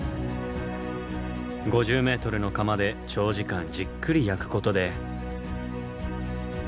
５０ｍの窯で長時間じっくり焼くことで。